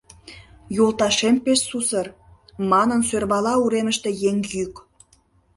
Йолташем пеш сусыр, — манын сӧрвала уремыште еҥ йӱк.